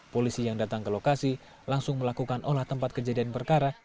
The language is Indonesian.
polisi yang datang ke lokasi langsung melakukan olah tempat kejadian perkara